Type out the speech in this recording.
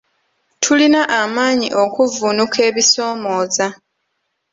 Tulina amaanyi okuvvuunuka ebisoomooza.